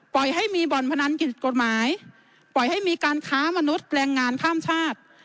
ให้มีบ่อนพนันกิจกฎหมายปล่อยให้มีการค้ามนุษย์แปลงงานข้ามชาติ